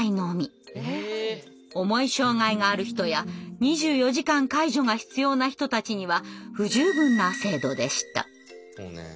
重い障害がある人や２４時間介助が必要な人たちには不十分な制度でした。